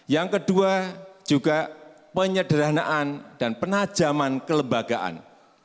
yang kedua juga penyederhanaan dan penajaman kelembagaan